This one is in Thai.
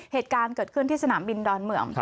เหตุการณ์เกิดขึ้นที่สนามบินดอนเมือง